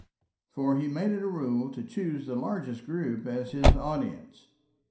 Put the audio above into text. For he made it a rule to choose the largest group as his audience.